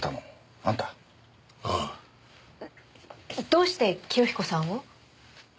どうして清彦さんを？